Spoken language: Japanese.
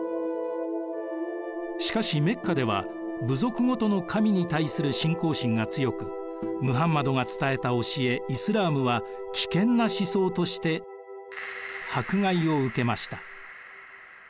しかしメッカでは部族ごとの神に対する信仰心が強くムハンマドが伝えた教えイスラームは危険な思想として迫害を受けました。